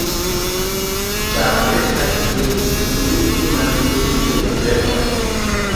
Ĉar estas genteknike manipulitaj grenoj.